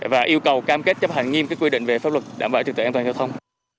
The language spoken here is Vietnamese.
và yêu cầu cam kết chấp hành nghiêm quy định về pháp luật đảm bảo trực tự an toàn giao thông